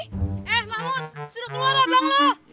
eh mahmud suruh keluar lah bang lu